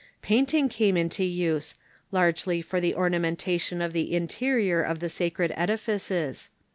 Painting came into use, largely for the ornamentation of the interior of the sacred edifices.